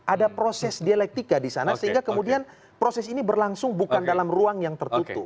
ada proses dialektika di sana sehingga kemudian proses ini berlangsung bukan dalam ruang yang tertutup